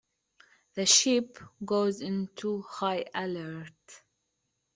The ship goes into high alert.